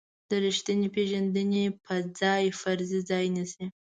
د ریښتینې پېژندنې په ځای فرضیې ځای نیسي.